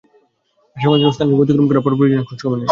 আশংকাজনক স্থানসমূহ অতিক্রম করার পর পরিজনের খোঁজখবর নিলাম।